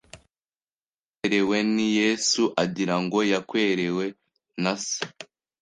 Ukwerewe n’Yesu, agira ngo yakwerewe na se